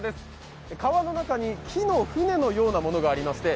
川の中に木の船のようなものがありますね。